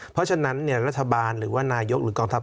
เพราะฉะนั้นรัฐบาลหรือว่านายกหรือกองทัพ